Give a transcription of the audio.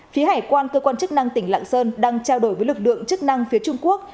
phía hải quan cơ quan chức năng tỉnh lạng sơn đang trao đổi với lực lượng chức năng phía trung quốc